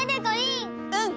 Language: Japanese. うん！